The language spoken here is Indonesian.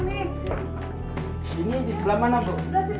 di sebelah mana bu